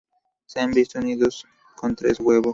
Se han visto nidos con tres huevos.